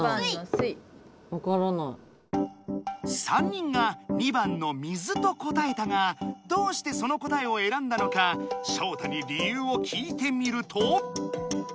３人が２番の「水」と答えたがどうしてその答えをえらんだのかショウタに理由を聞いてみると。